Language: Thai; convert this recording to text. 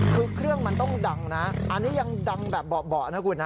คือเครื่องมันต้องดังนะอันนี้ยังดังแบบเบาะนะคุณนะ